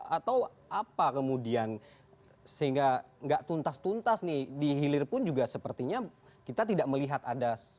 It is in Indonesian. atau apa kemudian sehingga nggak tuntas tuntas nih di hilir pun juga sepertinya kita tidak melihat ada